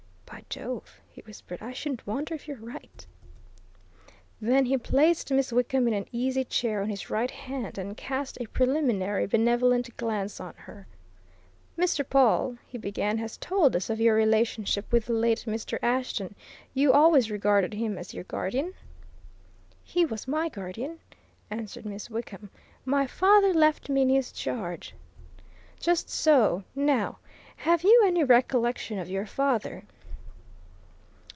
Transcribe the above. "By Jove!" he whispered. "I shouldn't wonder if you're right." Then he placed Miss Wickham in an easy chair on his right hand, and cast a preliminary benevolent glance on her. "Mr. Pawle," he began, "has told us of your relationship with the late Mr. Ashton you always regarded him as your guardian?" "He was my guardian," answered Miss Wickham. "My father left me in his charge." "Just so. Now, have you any recollection of your father?"